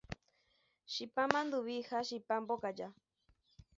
Chipa manduvi ha chipa mbokaja